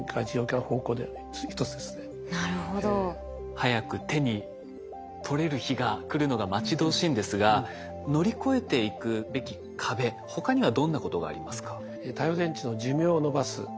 早く手に取れる日が来るのが待ち遠しいんですが乗り越えていくべき壁他にはどんなことがありますか？